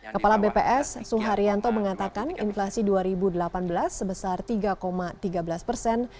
kepala bps suharyanto mengatakan inflasi dua ribu delapan belas sebesar tiga tiga belas persen